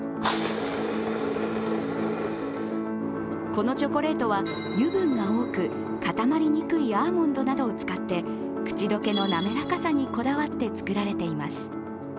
このチョコレートは、油分が多く固まりにくいアーモンドなどを使って口溶けの滑らかさにこだわって作られています。